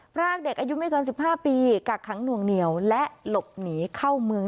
พรากเด็กอายุไม่เกิน๑๕ปีกักขังหน่วงเหนียวและหลบหนีเข้าเมือง